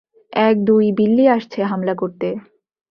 এক, দুই, বিল্লি আসছে হামলা করতে।